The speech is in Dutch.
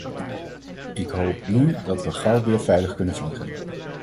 Ik hoop nu dat we gauw weer veilig kunnen vliegen.